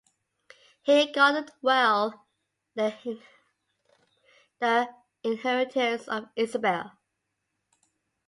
He guarded well the inheritance of Isabel.